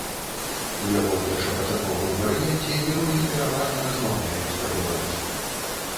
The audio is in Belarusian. У яго першапачатковым варыянце героі пераважна размаўляюць па-беларуску.